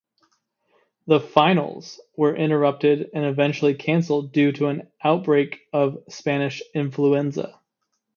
The Finals were interrupted and eventually cancelled due to an outbreak of Spanish influenza.